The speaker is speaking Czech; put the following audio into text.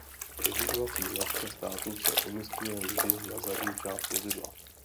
Rozlišovací značka státu se umisťuje vždy na zadní část vozidla.